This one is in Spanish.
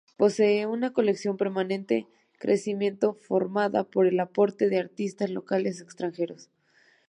Posee una colección en permanente crecimiento formada por el aporte de artistas locales, extranjeros.